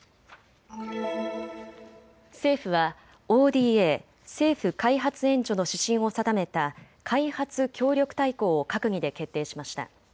政府はＯＤＡ・政府開発援助の指針を定めた開発協力大綱を閣議で決定しました。